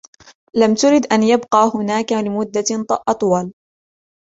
لم ترد أن يبقى هناك لمدة أطول